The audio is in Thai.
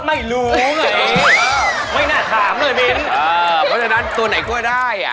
หมายเลข๓ครับ